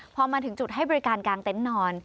พอมาถึงจุดให้บริการกลางเต็นต์นอน